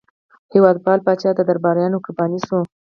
هېوادپال پاچا د درباریانو قرباني شو.